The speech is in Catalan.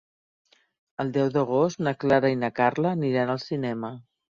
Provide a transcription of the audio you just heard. El deu d'agost na Clara i na Carla aniran al cinema.